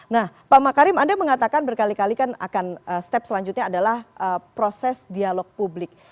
nah pak makarim anda mengatakan berkali kali kan akan step selanjutnya adalah proses dialog publik